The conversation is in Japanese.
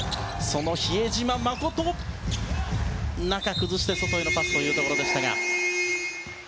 比江島慎、中を崩して外へのパスというところでした。